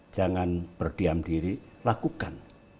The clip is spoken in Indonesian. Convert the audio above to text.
jangan berdiam diri lakukan